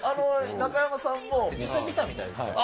中山さんも実際見たみたいです。